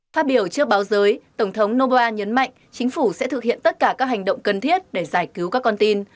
phát biểu trước báo giới tổng thống noboa nhấn mạnh chính phủ sẽ thực hiện tất cả các hành động cần thiết để giải cứu các con tin